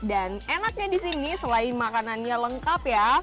dan enaknya di sini selain makanannya lengkap ya